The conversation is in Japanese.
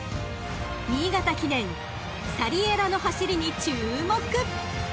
［新潟記念サリエラの走りに注目］